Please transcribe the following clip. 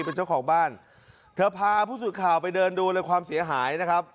เป็นเจ้าของบ้านเธอพาผู้สื่อข่าวไปเดินดูเลยความเสียหายนะครับ